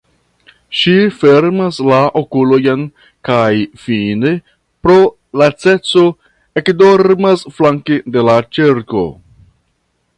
Ŝi fermas la okulojn kaj fine pro laceco ekdormas flanke de la ĉerko.